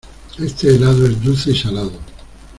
Este helado es dulce y salado.